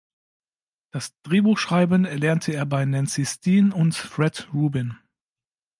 Das Drehbuchschreiben erlernte er bei Nancy Steen und Fred Rubin.